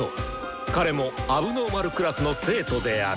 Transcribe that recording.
彼も問題児クラスの生徒である！